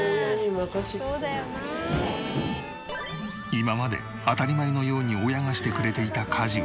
今まで当たり前のように親がしてくれていた家事を